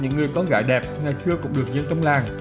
những người con gái đẹp ngày xưa cũng được dân trong làng